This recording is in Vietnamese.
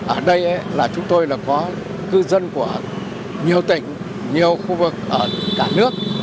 ở đây chúng tôi có cư dân của nhiều tỉnh nhiều khu vực ở cả nước